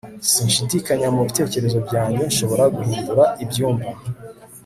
sinshidikanya mubitekerezo byanjye nshobora guhindura ibyumba